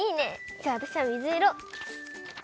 じゃあわたしはみずいろ。